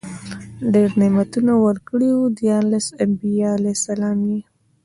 ډير نعمتونه ورکړي وو، ديارلس انبياء عليهم السلام ئي